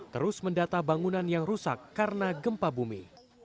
terus mendata bangunan yang rusak karena gempa bumi